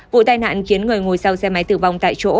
vụ tai nạn khiến người ngồi sau xe máy tử vong tại chỗ